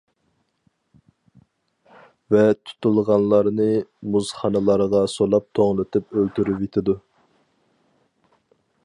ۋە تۇتۇلغانلارنى مۇزخانىلارغا سولاپ توڭلىتىپ ئۆلتۈرۈۋېتىدۇ.